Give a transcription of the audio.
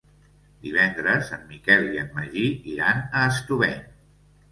Divendres en Miquel i en Magí iran a Estubeny.